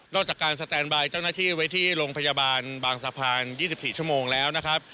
จากการสแตนบายเจ้าหน้าที่ไว้ที่โรงพยาบาลบางสะพาน๒๔ชั่วโมงแล้วนะครับ